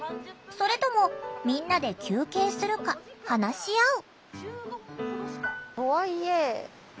それともみんなで休憩するか話し合う。